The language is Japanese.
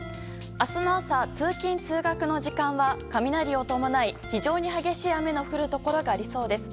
明日の朝、通勤・通学の時間は雷を伴い非常に激しい雨の降るところがありそうです。